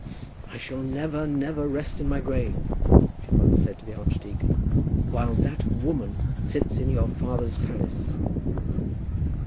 "I shall never, never rest in my grave," she had once said to the archdeacon, "while that woman sits in your father's palace."